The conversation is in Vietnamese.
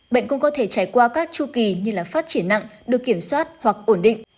bệnh cũng có thể trải qua các chu kỳ như phát triển nặng được kiểm soát hoặc ổn định